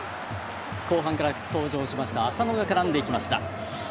後半から登場しました浅野が絡んでいきました。